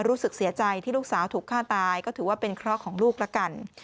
รู้สึกเสียใจที่ลูกสาวถูกฆ่าตายก็ถือว่าเป็นเคราะห์ของลูกละกัน